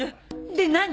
で何？